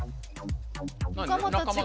仲間たちが。